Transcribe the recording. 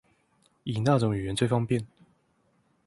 以那種語言最方便？